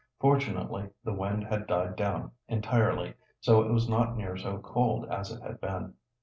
Fortunately the wind had died down entirely, so it was not near so cold as it had been.